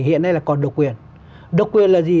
hiện nay là còn độc quyền độc quyền là gì